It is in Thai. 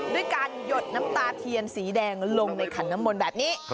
ด้วยการหยดน้ำตาเทียนสีแดงลงในขันน้ำมนต์แบบนี้